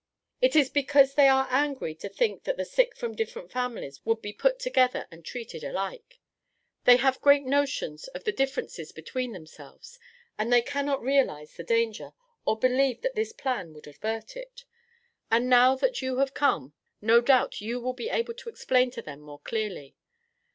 It is because they are angry to think that the sick from different families would be put together and treated alike. They have great notions of the differences between themselves, and they cannot realize the danger, or believe that this plan would avert it; but now that you have come, no doubt you will be able to explain to them more clearly.